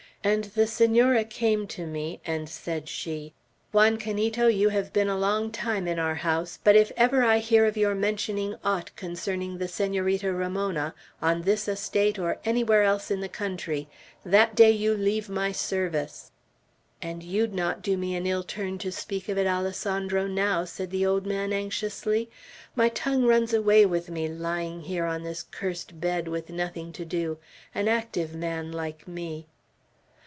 And the Senora came to me, and said she, 'Juan Canito, you have been a long time in our house; but if ever I hear of your mentioning aught concerning the Senorita Ramona, on this estate or anywhere else in the country, that day you leave my service!' And you'd not do me the ill turn to speak of it, Alessandro, now?" said the old man, anxiously. "My tongue runs away with me, lying here on this cursed bed, with nothing to do, an active man like me."